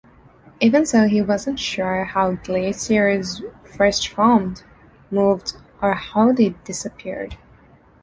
Even so, he wasn't sure how glaciers first formed, moved, or how they disappeared.